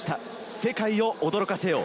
世界を驚かせよう。